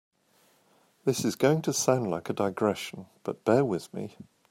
This is going to sound like a digression, but bear with me.